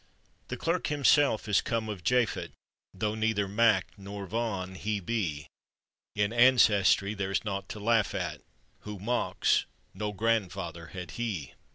The clerk himself is come of Japhet, Though neither " Mac " nor " Von " he be. In ancestry there's naught to laugh at; Who mocks, no grandfather had he!